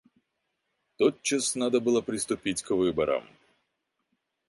Тотчас надо было приступить к выборам.